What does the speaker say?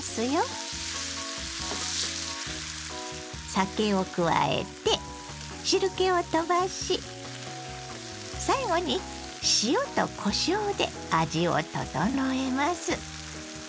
酒を加えて汁けをとばし最後に塩とこしょうで味を調えます。